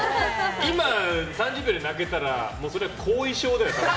今、３０秒で泣けたらそれは後遺症だよ。